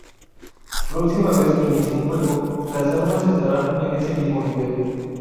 Próxima vez que inicie un juego, las armas estarán a ese mismo nivel.